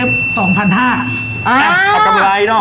อ้าวเอ้าเอากำไรเนอะ